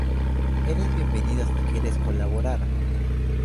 Eres bienvenido si quieres colaborar.